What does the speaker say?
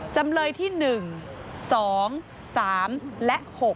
จำเลยที่๑๒๓และ๖๖